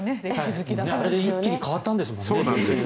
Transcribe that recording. あれで一気に変わったんですもんね。